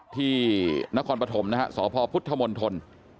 ที่นครปฐมนะครับสพพุทธมนต์ทน